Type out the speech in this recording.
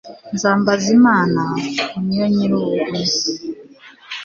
nzambaza imana, ni yo nyir'ubuvunyi